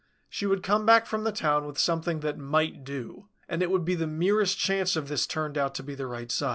She would come back from the town with something that "might do"; and it would be the merest chance if this turned out to be the right size.